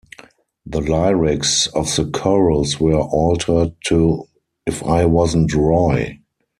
The lyrics of the chorus were altered to "If I wasn't Roy".